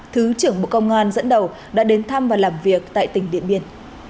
thứ trưởng bộ công an dẫn đầu đã đến thăm và làm việc tại tỉnh điện biên